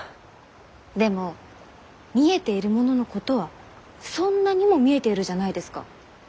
でも見えているもののことはそんなにも見えているじゃないですか。